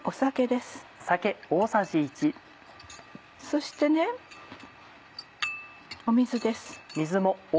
そして水です。